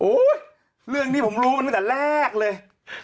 เรื่องนี้ผมรู้มาตั้งแต่แรกเลย